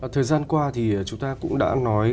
thời gian qua thì chúng ta cũng đã nói